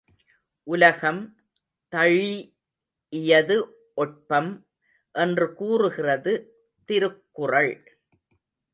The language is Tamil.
உலகம் தழீஇயது ஒட்பம்! என்று கூறுகிறது திருக்குறள்.